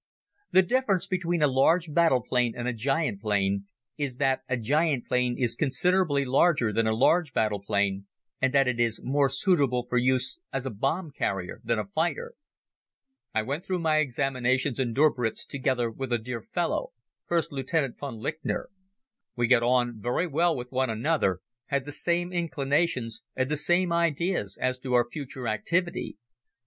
The difference between a large battle plane and a giant plane is that a giant plane is considerably larger than a large battle plane and that it is more suitable for use as a bomb carrier than as a fighter. I went through my examinations in Döberitz together with a dear fellow, First Lieutenant von Lyncker. We got on very well with one another, had the same inclinations and the same ideas as to our future activity.